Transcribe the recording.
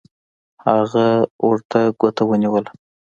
هغه ورته ګوته ونیوله